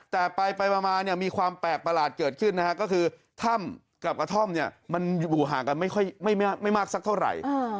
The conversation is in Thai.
แต่ไปมีความแปลกประหลาดเกิดขึ้นก็คือถ้ำกับกระท่อมอยู่ห่างกันไม่มากสักเท่าไหร่